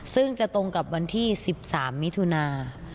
ซึ่งจะตรงกับวันที่๑๓มิถุนา